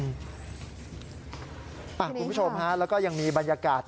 ไปวันนี้ครับคุณผู้ชมฮะแล้วก็ยังมีบรรยากาศ